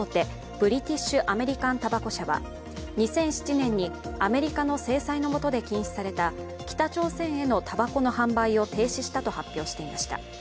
ブリティッシュ・アメリカン・タバコ社は２００７年にアメリカの制裁のもとで禁止された北朝鮮へのたばこの販売を停止したと発表していました。